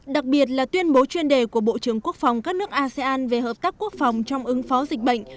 đặc biệt là tuyên bố chuyên đề của bộ trưởng quốc phòng các nước asean về hợp tác quốc phòng trong ứng phó dịch bệnh